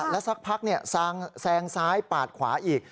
แล้วสักพักแซงซ้ายปาดขวาอีก